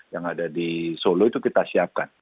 yang ada di solo itu kita siapkan